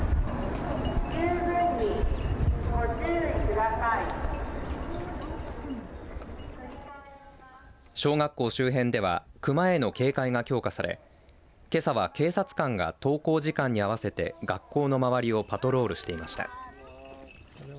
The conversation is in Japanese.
じゅうぶんにご注意ください。小学校周辺では熊への警戒が強化されけさは警察官が登校時間に合わせて学校の周りをパトロールしていました。